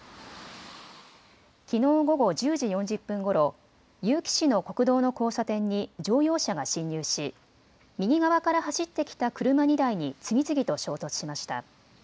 きのう午後１０時４０分ごろ、結城市の国道の交差点に乗用車が進入し右側から走ってきた車２台に次々と衝突しました。